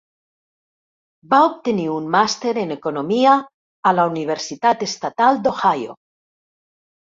Va obtenir un màster en Economia a la Universitat Estatal d'Ohio.